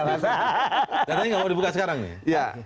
katanya nggak mau dibuka sekarang nih